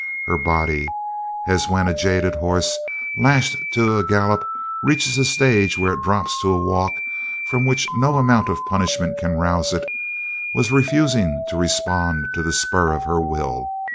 Her body, as when a jaded horse lashed to a gallop reaches a stage where it drops to a walk from which no amount of punishment can rouse it, was refusing to respond to the spur of her will.